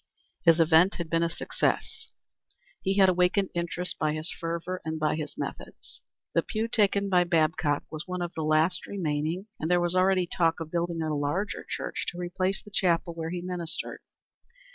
His advent had been a success. He had awakened interest by his fervor and by his methods. The pew taken by Babcock was one of the last remaining, and there was already talk of building a larger church to replace the chapel where he ministered.